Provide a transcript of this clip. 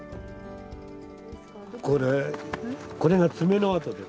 これ、これが爪の跡です。